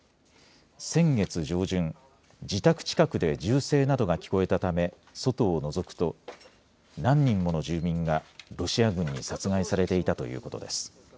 先月上旬、自宅近くで銃声などが聞こえたため外をのぞくと何人もの住民がロシア軍に殺害されていたということです。